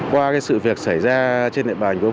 qua cái sự việc xảy ra trên địa bàn của ông